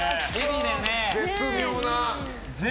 絶妙な。